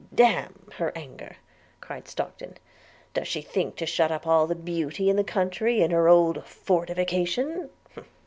'Damn her anger,' cried Stockton; 'does she think to shut up all the beauty in the country in her old fortification?